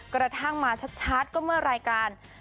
กระทั่งมาชัดก็เมื่อรายการ